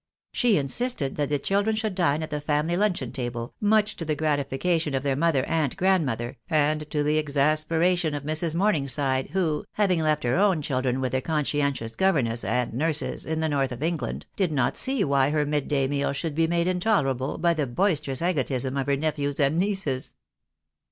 She insisted that the children should dine at the family luncheon table, much to the gratification of their mother and grandmother, and to the exasperation of Mrs. Morningside, who, having left her own children with their conscientious governess and nurses, in the North of England, did not see why her mid day meal should be made intolerable by the boisterous egotism of her nephews and nieces.